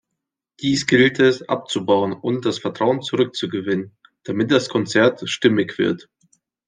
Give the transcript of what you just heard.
Dies gilt es, abzubauen und das Vertrauen zurückzugewinnen, damit das Konzert stimmig wird.